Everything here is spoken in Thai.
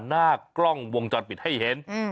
หน้ากล้องวงจรปิดให้เห็น